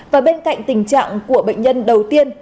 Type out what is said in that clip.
và bên cạnh tình trạng của bệnh nhân đầu tiên